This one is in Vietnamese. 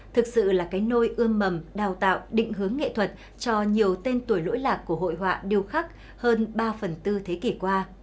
thực sự là cái nôi ươm mầm đào tạo định hướng nghệ thuật cho nhiều tên tuổi lỗi lạc của hội họa điều khác hơn ba phần tư thế kỷ qua